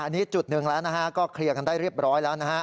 อันนี้จุดหนึ่งแล้วนะฮะก็เคลียร์กันได้เรียบร้อยแล้วนะฮะ